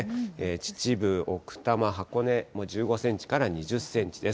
秩父、奥多摩、箱根、１５センチから２０センチです。